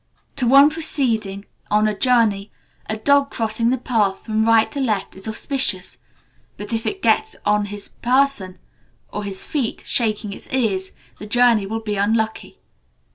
To one proceeding on a journey, a dog crossing the path from right to left is auspicious. But, if it gets on his person or his feet, shaking its ears, the journey will be unlucky.